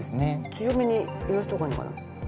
強めに揺らした方がいいのかな。